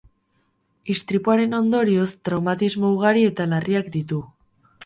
Istripuaren ondorioz, traumatismo ugari eta larriak ditu.